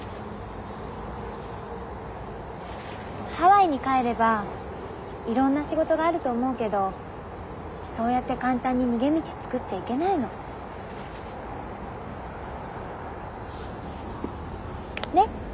ハワイに帰ればいろんな仕事があると思うけどそうやって簡単に逃げ道作っちゃいけないの。ね！